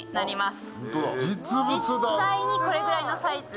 実際にこれくらいのサイズ。